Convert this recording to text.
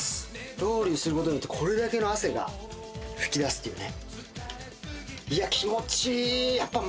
ロウリュすることによってこれだけの汗が噴き出すっていうね